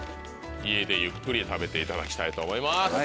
家でゆっくり食べていただきたいと思います。